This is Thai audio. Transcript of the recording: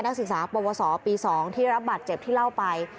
นักศึกษาปวสปี๒ที่รับบาดเจ็บที่เล่าไป